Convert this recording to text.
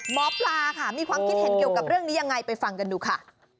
หมอปลาค่ะมีความคิดเห็นเกี่ยวกับเรื่องนี้ยังไงไปฟังกันดูค่ะ